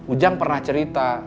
ujang pernah cerita